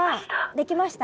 できました？